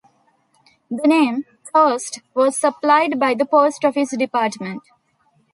The name "Toast" was supplied by the Post Office Department.